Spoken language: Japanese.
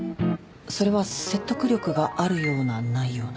それは説得力があるようなないような。